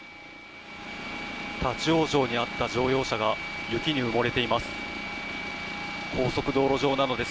立ち往生に遭った乗用車が雪に埋もれています。